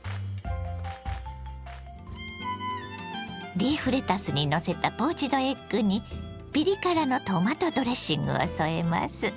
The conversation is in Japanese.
リーフレタスにのせたポーチドエッグにピリ辛のトマトドレッングを添えます。